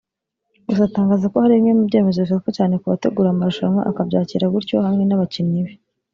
gusa atangaza ko hari bimwe mu byemezo bifatwa cyane ku bategura marushanwa akabyakira gutyo hamwe n’abakinnyi be